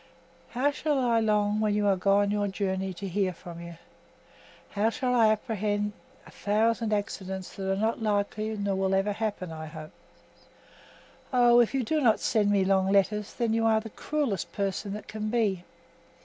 How shall I long when you are gone your journey to hear from you! how shall I apprehend a thousand accidents that are not likely nor will ever happen, I hope! Oh, if you do not send me long letters, then you are the cruellest person that can be!